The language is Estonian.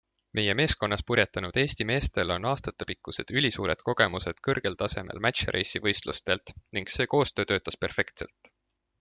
Meie meeskonnas purjetanud Eesti meestel on aastatepikkused ülisuured kogemused kõrgel tasemel match race'i võistlustelt, ning see koostöö töötas perfektselt.